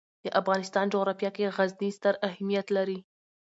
د افغانستان جغرافیه کې غزني ستر اهمیت لري.